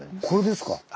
これですか。